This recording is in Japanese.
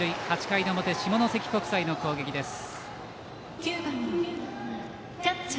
８回の表、下関国際の攻撃です。